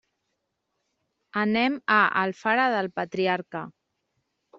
Anem a Alfara del Patriarca.